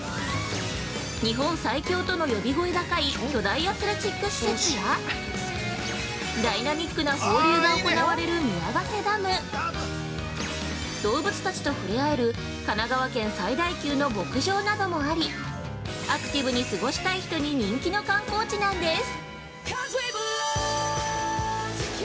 日本最恐との呼び声高い巨大アスレチック施設やダイナミックな放流が行われる宮ヶ瀬ダム動物たちと触れ合える神奈川県最大級の牧場などもありアクティブに過ごしたい人に人気の観光地なんです。